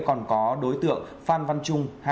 còn có đối tượng phan văn trung